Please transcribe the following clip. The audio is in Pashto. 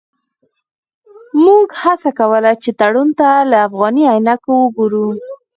موږ هڅه کوله چې تړون ته له افغاني عینکو وګورو.